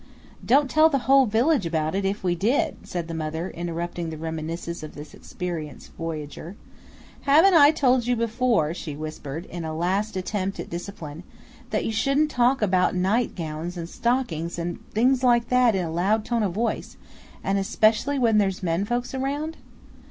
"Don't tell the whole village about it, if we did," said the mother, interrupting the reminiscences of this experienced voyager. "Haven't I told you before," she whispered, in a last attempt at discipline, "that you shouldn't talk about night gowns and stockings and things like that, in a loud tone of voice, and especially when there's men folks round?"